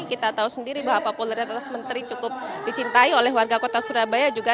kita tahu sendiri bahwa popularitas menteri cukup dicintai oleh warga kota surabaya juga